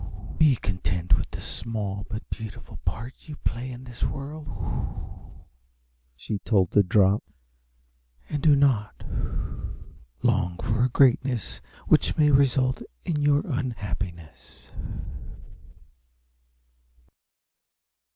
"Be content with the small but beautiful part you play in this world," she told the drop, "and do not long for a greatness which may result in your unhappiness."